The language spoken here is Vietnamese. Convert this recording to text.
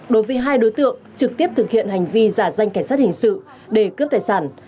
đối với hai đối tượng trực tiếp thực hiện hành vi giả danh cảnh sát hình sự để cướp tài sản